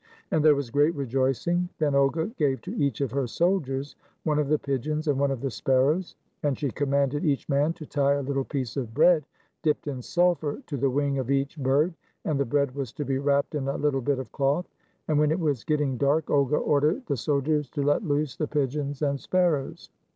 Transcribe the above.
And there was great rejoicing. Then Olga gave to each of her soldiers one of the pigeons and one of the sparrows. And she commanded each man to tie a little piece of bread dipped in sulphur to the wing of each bird, and the bread was to be wrapped in a little bit of cloth. And when it was getting dark Olga ordered the soldiers to let loose the pigeons and sparrows.